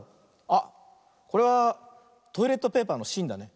あっこれはトイレットペーパーのしんだね。